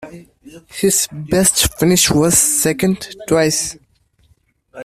His best finish was second, twice.